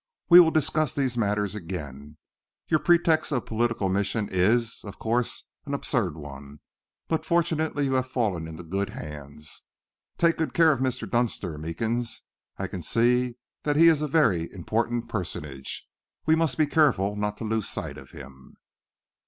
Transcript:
We will discuss these matters again. Your pretext of a political mission is, of course, an absurd one, but fortunately you have fallen into good hands. Take good care of Mr. Dunster, Meekins. I can see that he is a very important personage. We must be careful not to lose sight of him."